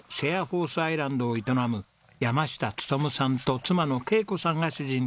ホースアイランドを営む山下勉さんと妻の恵子さんが主人公です。